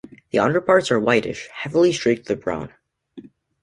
The underparts are whitish, heavily streaked with brown.